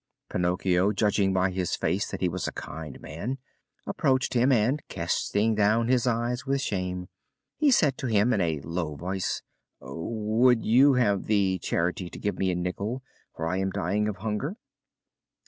Pinocchio, judging by his face that he was a kind man, approached him and, casting down his eyes with shame, he said to him in a low voice: "Would you have the charity to give me a nickel, for I am dying of hunger?"